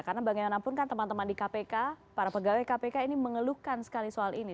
karena bagaimanapun kan teman teman di kpk para pegawai kpk ini mengeluhkan sekali soal ini